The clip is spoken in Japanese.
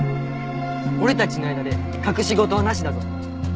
俺たちの間で隠し事はなしだぞ。